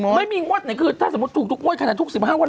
ไม่มีงวดไหนคือถ้าสมมติถูกจุดงวดทั้งแต่ทุกสิบห้านวัน